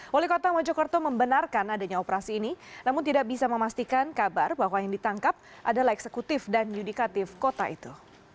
wali kota mojokerto membenarkan adanya operasi ini namun tidak bisa memastikan kabar bahwa yang ditangkap adalah eksekutif dan yudikatif kota itu